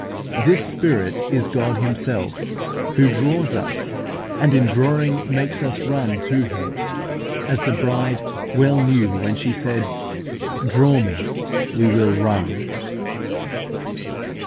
This Spirit is God Himself, who draws us, and in drawing makes us run to Him, as the Bride well knew when she said, "Draw me, we will run" (Cant.